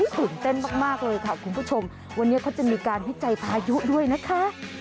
ตื่นเต้นมากเลยค่ะคุณผู้ชมวันนี้เขาจะมีการให้ใจพายุด้วยนะคะ